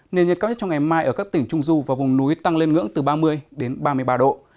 nền nhiệt cao nhất trong ngày mai ở các tỉnh trung du và vùng núi tăng lên ngưỡng từ ba mươi đến ba mươi ba độ